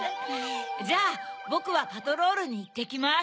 じゃあボクはパトロールにいってきます。